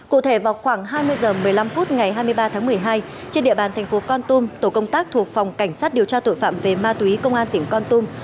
cụ thể vào khoảng hai mươi h một mươi năm phút ngày hai mươi ba tháng một mươi hai trên địa bàn thành phố con tum tổ công tác thuộc phòng cảnh sát điều tra tội phạm về ma túy công an tỉnh con tum